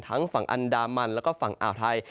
ทั้งฝั่งอันดามันและฝั่งอ่าวไทย